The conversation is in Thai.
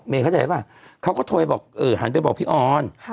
เข้าใจป่ะเขาก็โทรบอกหันไปบอกพี่ออน